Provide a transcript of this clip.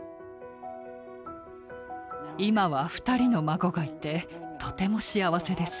今は２人の孫がいてとても幸せです。